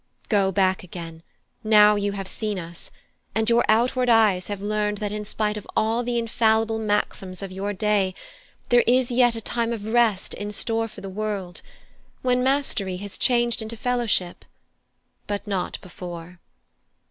Go back again, now you have seen us, and your outward eyes have learned that in spite of all the infallible maxims of your day there is yet a time of rest in store for the world, when mastery has changed into fellowship but not before.